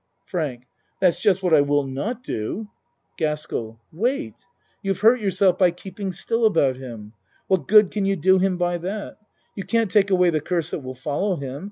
FRANK That's just what I will not do. ioo A MAN'S WORLD GASKELL Wait. You've hurt yourself by keep ing still about him. What good can you do him by that? You can't take away the curse that will fol low him.